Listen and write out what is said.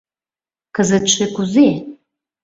Кызытше кузе?